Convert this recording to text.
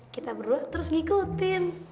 kita berdua terus ngikutin